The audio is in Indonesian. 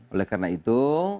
oleh karena itu